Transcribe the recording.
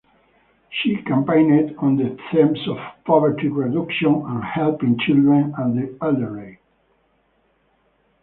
She campaigned on the themes of poverty reduction and helping children and the elderly.